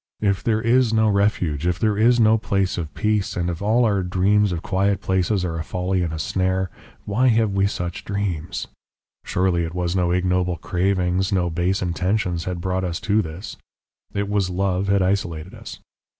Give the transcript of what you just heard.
If there IS no refuge, if there is no place of peace, and if all our dreams of quiet places are a folly and a snare, why have we such dreams? Surely it was no ignoble cravings, no base intentions, had brought us to this; it was Love had isolated us.